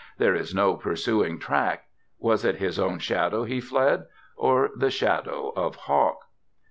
There is no pursuing track; was it his own shadow he fled, or the shadow of hawk?